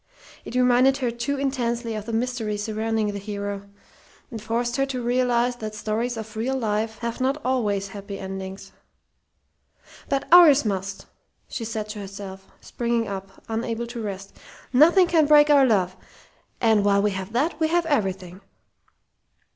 It reminded her too intensely of the mystery surrounding the hero, and forced her to realize that stories of real life have not always happy endings. "But ours must!" she said to herself, springing up, unable to rest. "Nothing can break our love; and while we have that we have everything!"